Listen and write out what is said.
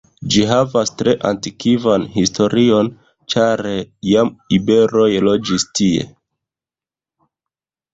Ĝi havas tre antikvan historion ĉar jam iberoj loĝis tie.